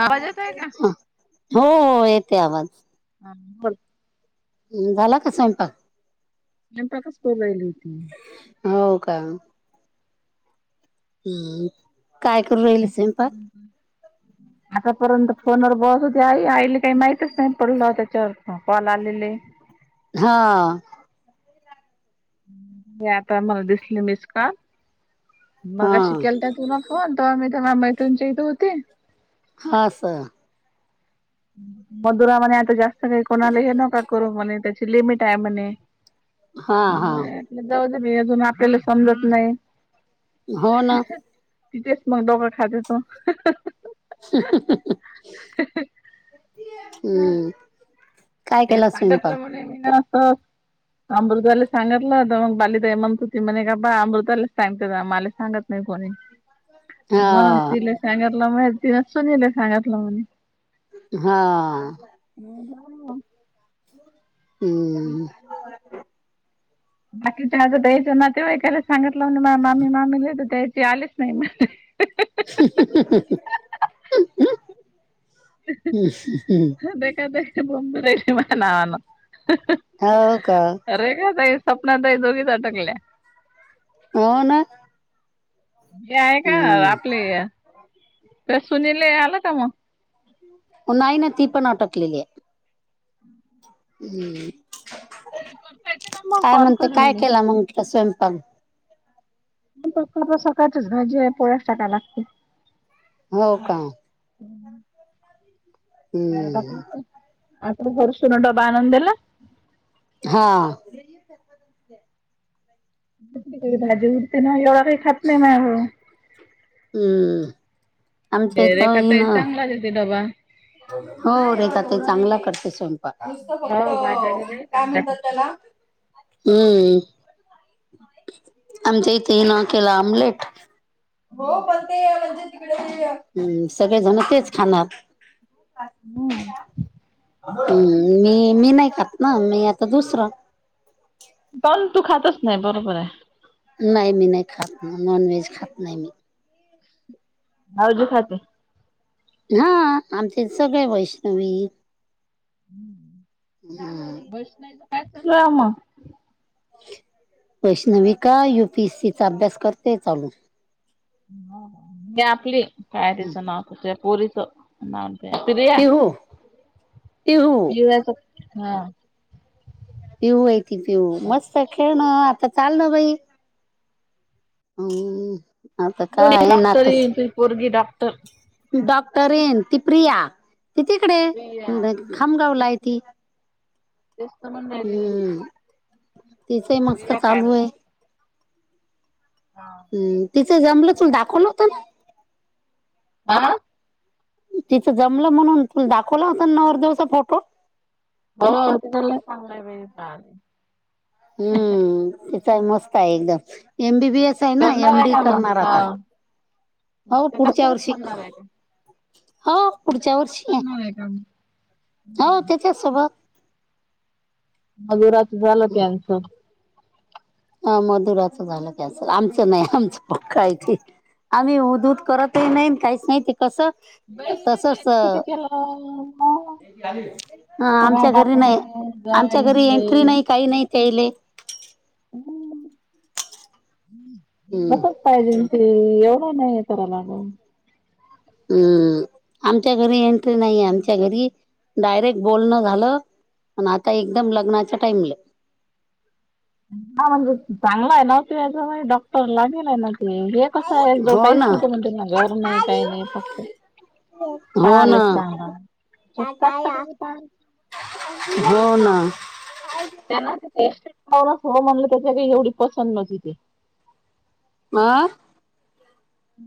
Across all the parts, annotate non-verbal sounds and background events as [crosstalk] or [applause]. आवाज येत आहे का? ह हो हो येते आवाज [unintelligible] झाला का स्वयंपाक स्कूल आहे नेमकी हो का हम्म काय करू राईल स्वयंपाक आतापर्यंत फोनवर बस होते आई आईला काही माहितच नाही पडलं त्याच्यावर ह पॉल आलेले हा हे आता मला दिसले मिस्का हा मगशी केलत तुला कोणत मीथ मामईतूनची इथ होती हा स मधुरा म्हणे आता जास्त काही कोणाला हे नका करू म्हणे त्याची लिमिट आहे म्हणे हा हा जाऊ म अजून आपल्याला समजत नाही हो ना तिथेच मग डोक खाे तो ह ह हम्म काय ते केला सांगितलं स्वयंपाक म्हणे मी ना अमृतल् सगतला तव मग बलली दय मंतु ती मन ग काबा अमृतला सांगतात आ माला सगत नाही कोणी हा म्हण तिला सांगातलं म्ह ति न सुनीले सांगातलं म्हणे हा हम् बाकीच्या आजं द्यायचं ना ते एकाच सांगितलं मा्मी मामीला द्यायच आलेच नाही म [inaudible] देखा दखा बमब रेडी बनवान हो का अरे का तई स्वपना तई दोगीच अटकल्या हो ना हे आहे का हम्म आपले ते सुनीले आलं का मग नाही ना ती पण अटकलेली आहे हम्म करता येते ना मग काय कॉल म्हणते काय करीन केला मंग त्या स्वयंपाक फक्ता सकाळच भाजी पोस टाका लागतील हो का हम्म आ घरषून डबा आनंदला हा क भाजी उरते ना एवढ काही खात नाही म हम्म आमच्या ते इथं रेखा इन त चांगलाचेत बाडबा हो रेेत ते चांगला करते स्वय नुसत फक्त हो भाज्या वगैरे काय चांगल्या म्हणतात खातात. त्याला हम्म आमच्या इथेही न केला आमलेट हो हम् पण ते म्हणजे हम्म सगळे जणतेच खाणार हम्म, ह् मी मी नाही खात ना मी आता दुसरं पण तू खातच नाही बरोबर आहे नाही मी नाही खात ना नॉन व्हेज खात नाही मी भावजी खात हा आमचे सगळे वैष्णवी हम्म बस नाहीच काय चालू आहे मग वैष्णवी का युपीएससीचा अभ्यास करतेय चालू ह म आपली काय तिचं नाव तसं पोरीच प्रिया पिहू पिहू हा पिऊू यती पिऊू मस्त खेळणं आता चाल ना बाई हम डॉक्टर त पोरगी डॉक्टर डॉक्टर येन ती प्रिया ती तिकडे प्रिया खामगावला आहे ती तेसत म्हण नाही हम्म तिचंही मस्त रि काय म्हण हम् तिचं जमलं तून दाखवलं होत हा तिथं जमलं म्हणून तु दाखवला होता नवदेवसा फोटो होला चांगलंय वले हम्म तेचा मस्त आहे एकदम एमबीबीएस आहे ना करणार एम आहे डी का मग करणार आता हा हो पुढच्या कसं वर्षी करणार आहे का हो पुढच्या त्याच्यासोबत वर्षी करणार आहे का हो त्याच्या सोबत मजुराात झालं कचं हा मधुराचं झालं त्याच आमचं नाही आमचं पक्कायथ आम्ही उ द उध करतही नाही काहीच नाही ते कसं बई का तसच किती केलं म ह आमच्या घरी नाही आमच्या जावाई घरी एंट्री बाई नाही काही नाही त्याले हम हम्म होतच पाहिजे ते एवढं नाही आहे तररा लागून हम आमच्या घरी एंट्री नाहीे आमच्या घरी डायरेक्ट बोलणं झालं पण आता एकदम लग्नाच्या टाइमला हा म्हणजे चांगला आहे नव्हत याच डॉक्टर ला गेलाय न हे कसं आहे जो हो काहीच ना नव्हतो मण त्यांना घर नाही काही नाही फक्त हो हा ना लय चांगल हाय शिस्तात करायच काम घाव ना त्यांना तेट हो म्हणलं त्याच्या काही एवढी पसंत नव्हती ती आं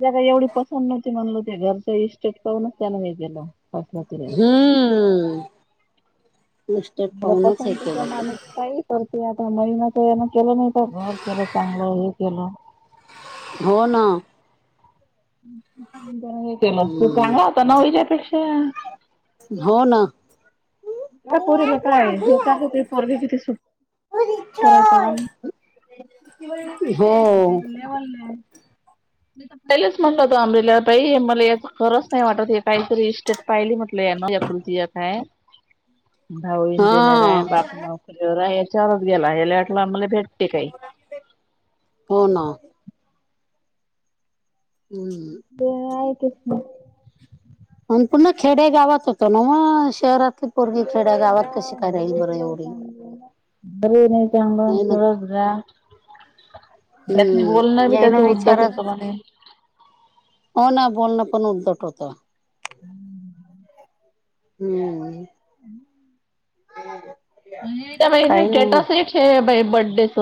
जग एवढी पसंत नव्हती म्हणल ते घरच्या इस्टेट पाहूनच त्यान मी गेलोस हम्म मिस्टेक पाहूनच हे पसतीचा केलं मणुस काही करते आता महिनाच यान केलं नाही तर घर केलं चांगलं हे केलं हो ना त्या केलं तू चांगल होता ना हिच्यापेक्षा हो ना या हो हा पोरीला काय हे काय होते पोरवी किती सुट पराय प होय ी पहिलेच म्हटल होत आंबला बाई मला या खरंच नाही वाटत काहीतरी इस्टेट पाहिली म्हटलं या ना याकुलती काय भाऊ इंजिनियर आहे बाप नोकरी वगैरे याच्यावरच गेला याला वाटला आम म्हाला भेटते काही हो ना हम् वेळ आहे कस अ पूर्ण खेडे गावात होतो ना म शहरात घां घर नाही चांगलं नाही ना डच जाव हम्म बी जयन त्याचं विचार उद्धट होतं म्हणे हो ना बोलणं पण उद्धट होतं हम्म हम्म हम् हे म स्टेटस बर्थडेस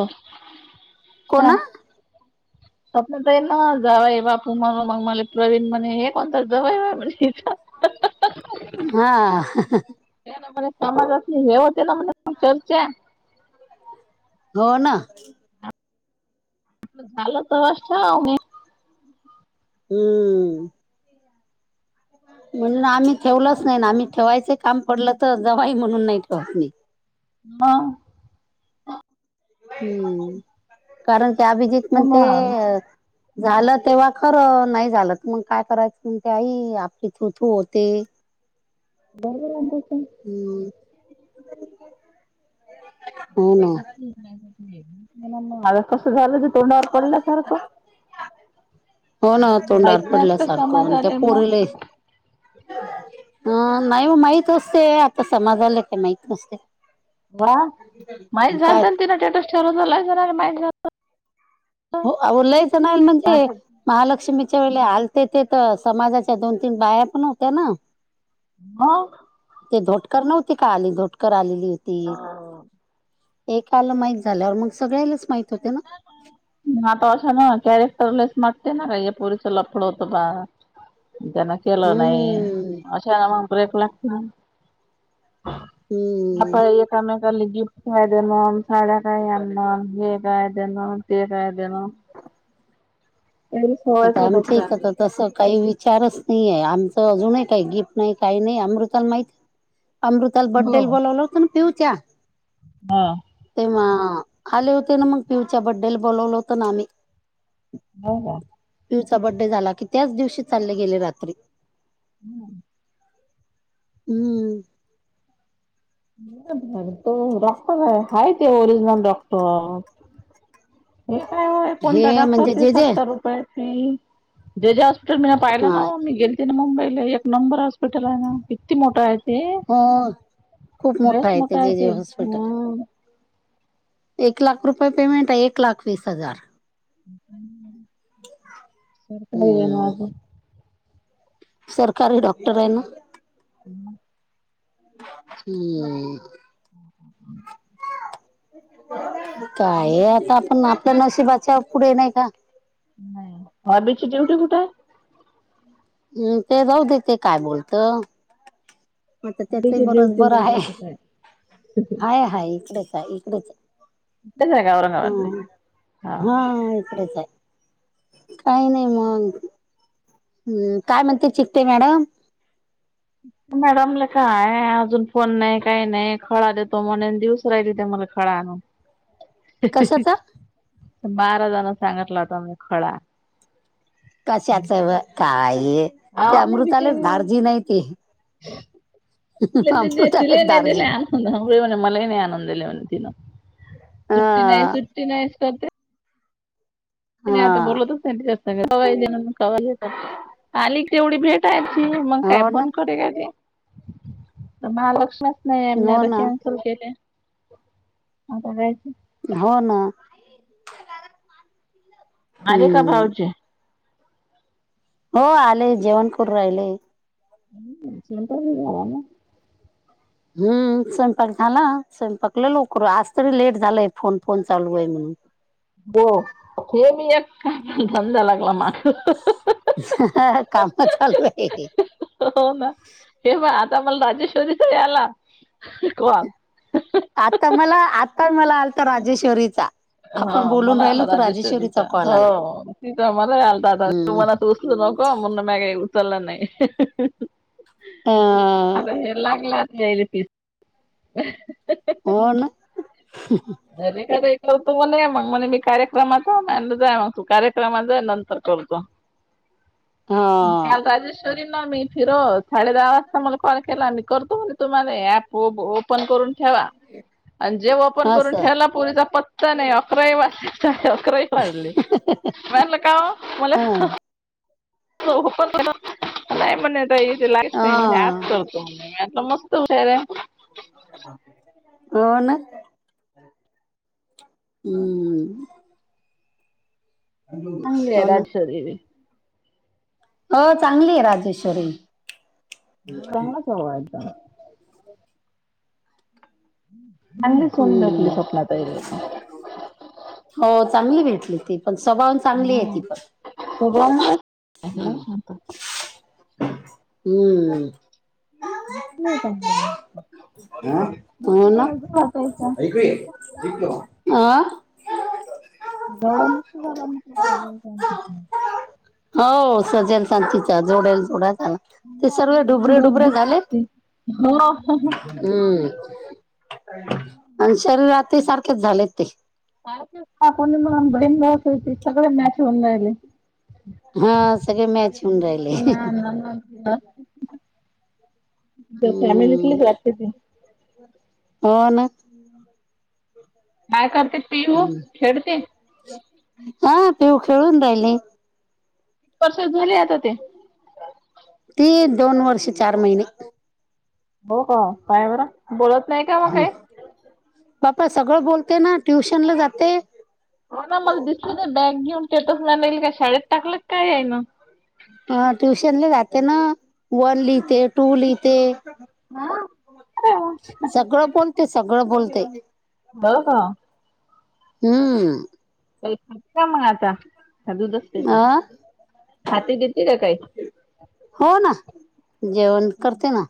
कोण स्वप्न तर आहे ना जावय बापू म मग मला प्रवीण म्हणे हे कोणत जावय बा म्ह हा त्या म समाजात हेेवते म्ह चर्चा हो ना झाल तमछा म हम्म म्हणजे आम्ही ठेवलंच नाही ना आम्ही ठेवायच काम पडलं तर जवाई म्हणून नाही ठेवत नाही ह हम्म कारण ते अभिजित म्हण ते मग झालं तेव्हा खरं नाही झालं मग काय करायचं म्हणते आई आपली ूथू होते बरोब ला का हम्म हो ना माझं कसं झालं ज तोंडावर पडल्यासारखं हो ना माहित तोंडावर नाही पडल्या आता सारखं समाज आणि त्या आले मग पोरलं ह नाही माहत असते आता समाजाला काही माहत नसते वा माहित पण झाल काय तर तिन स्टेटस ठेवला जाणार माही झा होलायच नाल म्हे महालक्ष्मीच्या वेळे आलते ते तर समाजाच्या दोन तीन बाया पण होत्या ना हा ते धोटकर नव्हती का आली धोटकर आलेली होती एकाला माहित झाल्यावर मग सगळ्यालाच माहित होते ना आता अशा ना कॅरेक्टरलाच मागते ना का या पोरीच लपड होतं बा त्यांना केलं नाही हम्म अशा ना मग र एक लाख हम् आपण एकामेकाला गिफ्ट काय दे म्ह साड्या काय या म्ह हे गायदन ते गायदन आता आहे आमच डोक्याला. तसं काही विचारच नाही आहे आमचं अजूनही काही गिफ्ट नाही काही नाही अमृताला माहिती अमृताल हो. बड्डेल बोलावलं होतं ना पिऊ त्या हा तेव्हा आले होते ना मग पिवच्या बड्डेला बोलवलं होतं ना आम्ही हो का पिवचा बर््डे झाला की त्याच दिवशी चालले गेले रात्री हम्म हम्म र तो रॉक्टर आहेा ते ओरिजनल रॉक्टर हे काय हो कोणत्या हे डॉक्टर म्हणजे ते जे जे सत्तर रुपयाे फी जत हॉस्पिटल मीला पाहिलं ना हा मी गेलते ना मुंबईला एक नंबर हॉस्पिटल आहे ना किती मोठा आहे ते हो खूप रेस आहे ते मोठा जे आहेेत जे हॉस्पिटल हम एक लाख रुपये पेमेंट आहे एक लाख वीस हजार सकार हम्म नागू सरकारी डॉक्टर आहे ना हम्म हम्म हो हो काय आता आपण आपल्या नवशी बचा पुढे नाही का नाही हा आता त्याची ड्युटी कुठाय? हम्म ते जाऊ देेत काय बोलत आता त्याचही अभीची बरच ड्युटी बर म्हटलं आहे. कुठे हाय हाय इकडेच आहे, इकडेच इथेच का औरंगाबादला? आहे. हा हा इकडच आहे. काही नाही मग ह काय म्हणते चिठ्ठे मॅडम? मॅडमला काय अजून फोन नाही काही नाही खळा देतो म्हणे दिवस राहिली ते मला [inaudible] [unintelligible] कशाचा बारा जण सांगितला होता मी खळा कशाच काय ते अहो मी अमृतालाच बिचारी धारजीन नाही ती [unintelligible] अमृतालेच धारजी [inaudible] सुट्टी नाही हा सुट्टी नाहीच करते मी आता हा बोलतच नाही तिच्या संग कवाय देणं कवाय येतात आली तेवढी मग काय हो ना फोन करू या की माझ्या लक्षात नाही आणि हो ना आता केयच हो ना माले का हम्म भाऊचे हो आले जेवण करून राहिलेय सुणट ग ना हम्म स्वयंपाक झाला स्वयंपाकला लोकर आज तरी लेट झालंय फोन फोन चालू आहे म्हणून हो हे मी एक [inaudible] ह काम चालू आहे. हो ना हे पण आता मला राजेश्वरीचा आला कॉल आता मला आता मला आलता राजेश्वरीचा हा आपण बोलून मला राहिलो आला तर राजेश्वरीचा कॉल आला हो तिथ मला आलता हम्म तुम्हाला [inaudible] मग उचलला नाही. अ आता हे लागला जायली तस हो ना अरेरे करतो म्हणे मग म्हणे मी कार्यक्रमात जा मग तू कार्यक्रमा जा नंतर करतो. [unintelligible] हा काल राजेश्व मी फिरत साडे दहा वाजता मला कॉल केला मी करतो म्हणे तुम्हाला ऍप ओप पन करून ठेवा आणि जे ओपन करून असं ठेवाला पोरीचा पत्ता नाही अकरा वाजले तरी हं पण नाही म्हणे इथे लाईट हा नाही म्हण आजत हो ना हम्म चांगली आहे हो ना राजेश्वरी देवी हो चांगली आहे राजेश्वरी चांगला चालू आहे अभ्यास चांगली सून भेटली हम्म स्वप्ना ताईला हो चांगली भेटली ती पण स्वभावान चांगली आहे ती पण स्वभाव हम्म चांगली आहे. जायचा [unintelligible] जवळ मस्त झाला हो सजेल सां तिचा जोडेल जोडा ला ते सर्ळे बहीण डुबरे भाऊ डुबरे दिसते झाले ती. हो हम्म आणि शरीरात सारखेच झालेत ते कोणी मणून बहीण बस होती सगळे मॅच होऊन राहिले हा सगळे मॅच होऊन राहिले [inaudible] फॅमिलीली जा हम्म वातते हो ना काय करते पिहू खेळते हा पिऊ खेळून राहिली परर्स झाले आता ते ती दोन वर्ष चार महिने हो का काय बरं बोलत नाही का मग काही बापा सगळं बोलते ना ट्युशनला जाते ह ना मग दिसत बॅग घेऊन तेेतच म नाही येईल का शाळेत टाकलं काय आहे ना ह ट्युशन ला जाते ना वन लिहिते टू लिहिते हा हो सगळं बोलते, सगळं बोलते बरं का हम काय खाते मग आता का दूधच पिते अ खाती पिती का काही? हो ना, जेवण करते ना.